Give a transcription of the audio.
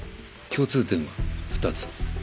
共通点は２つ。